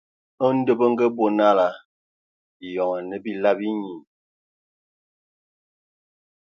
Ndɔ bǝ ngabɔ nala biyon anǝ bila binyii.